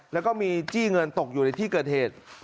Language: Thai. แล้วก็มีจี้เงินตกอยู่ในที่เกิดเหตุ